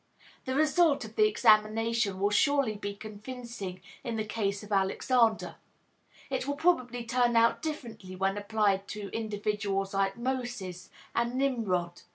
The result of the examination will surely be convincing in the case of Alexander. It will probably turn out differently when applied to individuals like Moses and Nimrod.